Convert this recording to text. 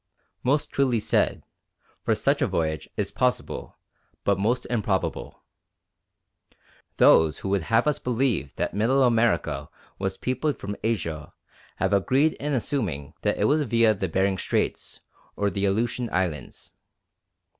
Most truly said, for such a voyage is possible, but most improbable. Those who would have us believe that Middle America was peopled from Asia have agreed in assuming that it was via the Behring Straits or the Aleutian Islands.